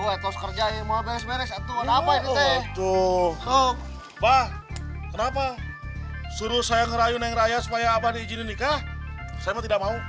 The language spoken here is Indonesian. baik tuh kok bah kenapa suruh saya ngerayu neng raya supaya abadi jenika saya tidak mau